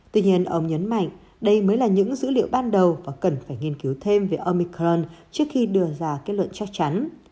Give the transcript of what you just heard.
tuy nhiên ông nhấn mạnh đây mới là những dữ liệu ban đầu và cần phải nghiên cứu thêm về omicron trước khi đưa ra kết luận chắc chắn